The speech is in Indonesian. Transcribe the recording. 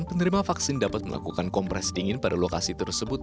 penerima vaksin dapat melakukan kompres dingin pada lokasi tersebut